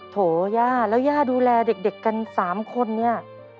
โถย่าแล้วย่าดูแลเด็กกัน๓คนเนี่ย